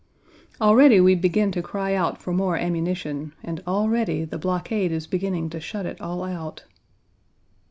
Already, we begin to cry out for more ammunition, and already the blockade is beginning to shut it all out.